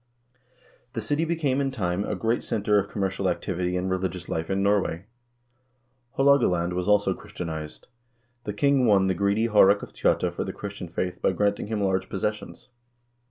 The city became in time a great center of commercial activity and religious life in Norway.1 Haalogaland was also Christianized. The king won the greedy Haarek of Tjotta for the Christian faith by granting him large pos sessions.